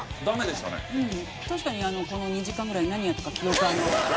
確かにこの２時間ぐらい何やったか記憶がない。